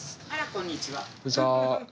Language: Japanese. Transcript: こんにちは。